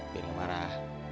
biar enggak marah